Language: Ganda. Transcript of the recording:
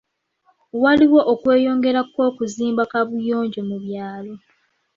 Waliwo okweyongera kw'okuzimba kaabuyonjo mu byalo.